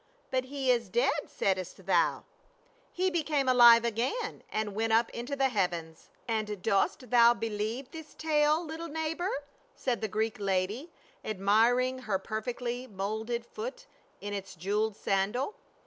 " But he is dead, saidst thou ?"" He became alive again and went up into the heavens." "And dost thou believe this tale, little neighbor?" said the Greek lady, admiring her perfectly moulded foot in its jeweled sandal.